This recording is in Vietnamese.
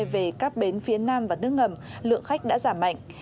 về các bến phía nam và nước ngầm lượng khách đã giảm mạnh